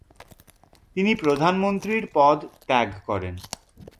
তিনি প্রধানমন্ত্রীর পদ ত্যাগ করেন।